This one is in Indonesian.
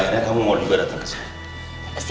akhirnya kamu mau datang ke sini